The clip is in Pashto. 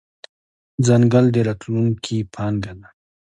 ځنګل د راتلونکې پانګه ده.